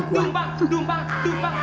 dara pengen sampai jumpa